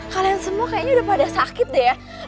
kalian semua kayaknya udah pada sakit deh ya